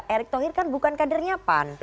erick thohir kan bukan kadernya pan